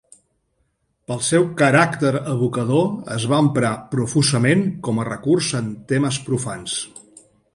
Pel seu caràcter evocador, es va emprar profusament com a recurs en temes profans.